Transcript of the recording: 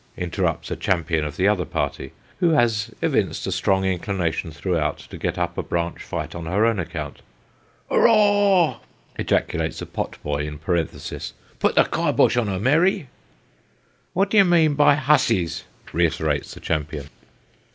" interrupts a champion of the other party, who has evinced a strong inclination throughout to get up a branch fight on her own account (" Hooroar," ejaculates a pot boy in parenthesis, " put the kye bosk on her, Mary). " What do you mean by hussies ?" reiterates the champion.